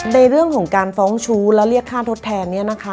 ในเรื่องของการฟ้องชู้และเรียกค่าทดแทนเนี่ยนะคะ